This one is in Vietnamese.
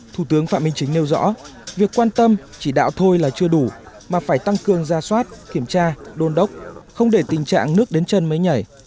thủ tướng phạm minh chính nêu rõ việc quan tâm chỉ đạo thôi là chưa đủ mà phải tăng cường ra soát kiểm tra đôn đốc không để tình trạng nước đến chân mới nhảy